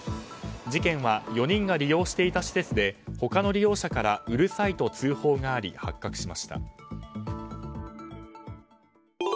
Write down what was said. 事件は４人が利用していた施設で他の利用者からうるさいと通報があり発覚しました。